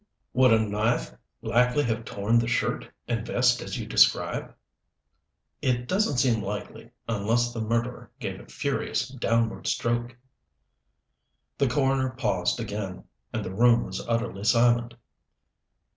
"Would a knife likely have torn the shirt and vest as you describe?" "It doesn't seem likely, unless the murderer gave a furious, downward stroke." The coroner paused again, and the room was utterly silent.